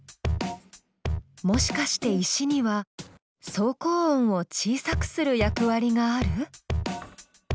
もしかして石には走行音を小さくする役割がある？